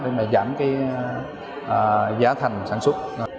để mà giảm cái giá thành sản xuất